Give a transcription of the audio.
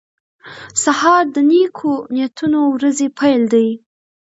سهار د نیکو نیتونو ورځې پیل دی.